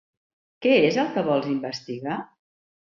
Què és el que vols investigar?